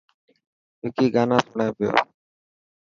وڪي گانا سوڻي پيو.